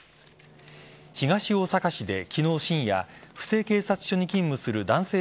東大阪市で昨日深夜布施警察署に勤務する男性